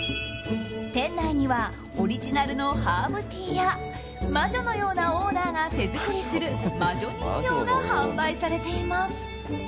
店内にはオリジナルのハーブティーや魔女のようなオーナーが手作りする魔女人形が販売されています。